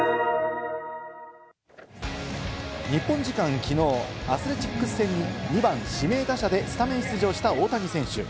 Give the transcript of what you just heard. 日本時間きのう、アスレチックス戦に２番・指名打者でスタメン出場した大谷選手。